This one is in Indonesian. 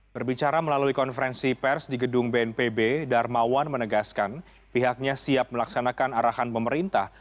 berbicara melalui konferensi pers di gedung bnpb darmawan menegaskan pihaknya siap melaksanakan arahan pemerintah